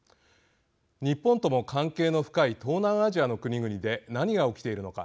日本とも関係の深い東南アジアの国々で何が起きているのか。